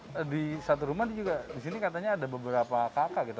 nah di satu rumah juga disini katanya ada beberapa kakak gitu